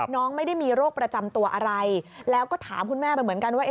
ไม่ได้มีโรคประจำตัวอะไรแล้วก็ถามคุณแม่ไปเหมือนกันว่า